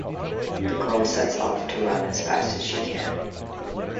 The girl sets off to run as fast as she can.